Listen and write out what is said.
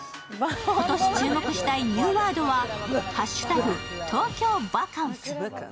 今年注目したいニューワードは＃東京ヴァカンス。